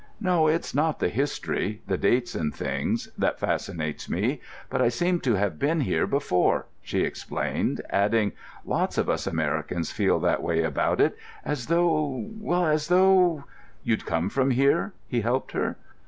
No, it's not the history—the dates and things—that fascinates me; but I seem to have been here before," she explained, adding: "Lots of us Americans feel that way about it—as though—as though——" "You'd come from here?" he helped her.